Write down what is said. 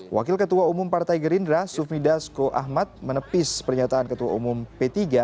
wakil ketua umum partai gerindra sufmi dasko ahmad menepis pernyataan ketua umum p tiga